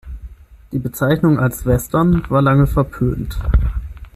Die Bezeichnung als "Western" war lange verpönt.